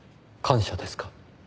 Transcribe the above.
感謝ですか？